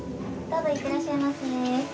どうぞいってらっしゃいませ。